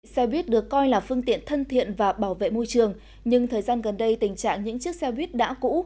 xe buýt được coi là phương tiện thân thiện và bảo vệ môi trường nhưng thời gian gần đây tình trạng những chiếc xe buýt đã cũ